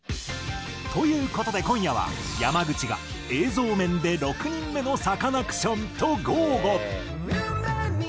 という事で今夜は山口が映像面で６人目のサカナクションと豪語